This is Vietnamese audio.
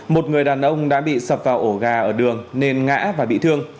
một người đàn ông đã bị sập vào ổ gà ở đường nên ngã và bị thương